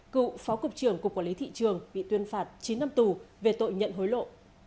cựu phó cục trưởng cục quản lý thị trường bị tuyên phạt chín năm tù về tội nhận hối lộ